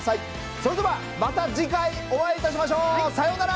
それではまた次回お会いいたしましょう！さようなら！